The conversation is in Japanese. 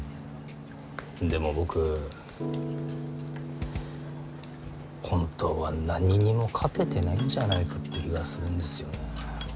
でも僕本当は何にも勝ててないんじゃないかって気がするんですよね。